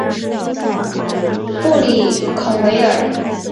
布里孔维尔。